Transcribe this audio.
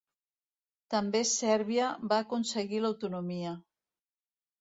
També Sèrbia va aconseguir l'autonomia.